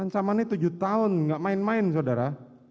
ancamannya tujuh tahun nggak main main saudara